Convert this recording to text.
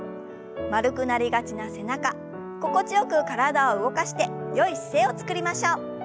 丸くなりがちな背中心地よく体を動かしてよい姿勢をつくりましょう。